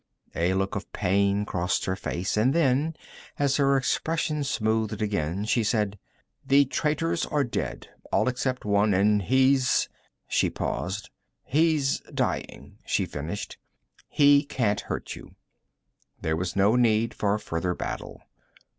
A look of pain crossed her face, and then, as her expression smoothed again, she said: "The traitors are dead. All except one, and he's " She paused. "He's dying," she finished. "He can't hurt you." There was no need for further battle.